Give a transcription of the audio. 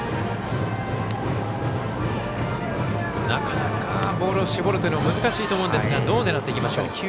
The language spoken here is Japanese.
なかなか、ボールを絞るというのは難しいと思うんですがどう狙っていきましょう。